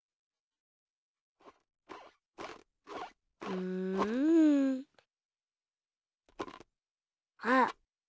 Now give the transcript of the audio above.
うん。あっ！